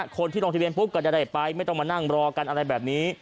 คนที่ลงทะเบียนปุ๊บก็จะได้ไปไม่ต้องมานั่งรอกันอะไรแบบนี้